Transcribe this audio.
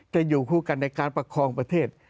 จะอยู่คู่กันในการประคองประเทศ